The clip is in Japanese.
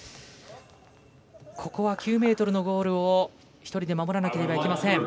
ここは９ｍのゴールを１人で守らなければいけません。